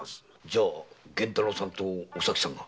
じゃあ源太郎さんとお咲さんが？